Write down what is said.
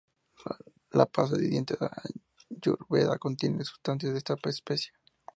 La pasta de dientes de Ayurveda contienen sustancias de esta especie.